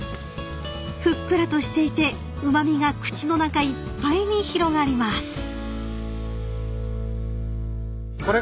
［ふっくらとしていてうま味が口の中いっぱいに広がります］